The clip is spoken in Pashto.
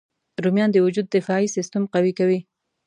رومیان د وجود دفاعي سیسټم قوي کوي